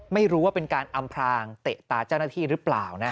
ไม่รู้ว่าเป็นการอำพลางเตะตาเจ้าหน้าที่หรือเปล่านะ